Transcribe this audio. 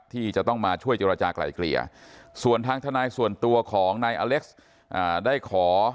ที่จะต้องมาช่วยเจรจากลายเกลี่ยส่วนทางทนายส่วนตัวของนายอเล็กซ์ได้ขอ